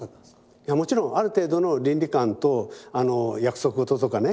もちろんある程度の倫理観と約束事とかね